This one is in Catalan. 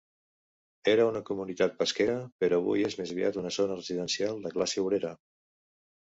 Era una comunitat pesquera, però avui és més aviat una zona residencial de classe obrera.